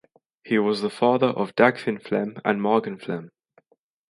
He was the father of Dagfinn Flem and Magne Flem.